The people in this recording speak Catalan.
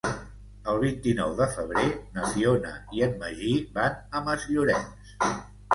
El vint-i-nou de febrer na Fiona i en Magí van a Masllorenç.